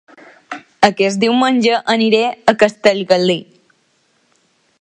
Aquest diumenge aniré a Castellgalí